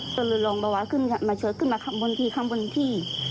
ก็เลยลองเขาว่ามันชอดขึ้นมาทางบนที่คำบนที่